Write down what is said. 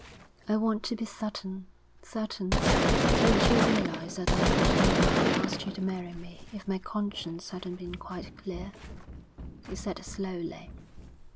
I want to be certain, certain.' 'Don't you realise that I would never have asked you to marry me if my conscience hadn't been quite clear?' he said slowly.